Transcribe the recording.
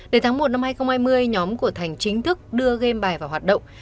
để tháng một năm hai nghìn hai mươi nhóm của thành chính thức đưa game bài vào hoạt động